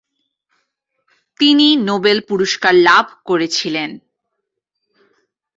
তিনি নোবেল পুরস্কার লাভ করেছিলেন।